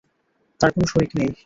তাঁর কোন শরীক নেই।